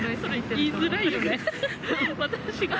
言いづらいよね。